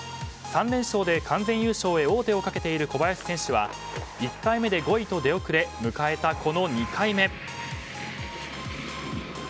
３連勝で完全優勝へ王手をかけている小林選手は１回目で５位と出遅れ迎えた、この２回目。